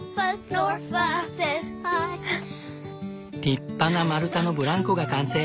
立派な丸太のブランコが完成！